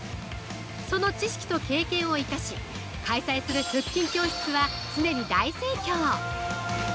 その知識と経験を生かし開催する腹筋教室は、常に大盛況。